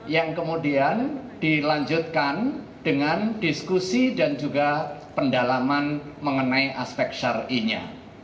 yang kemudian dilanjutkan dengan diskusi dan juga pendalaman mengenai aspek syarinya